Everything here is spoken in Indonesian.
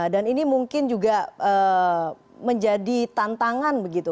dan ini mungkin juga menjadi tantangan begitu